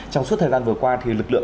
trong suốt thời gian vừa qua thì lực lượng